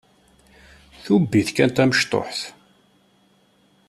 Tubbit kan tamecṭuḥt.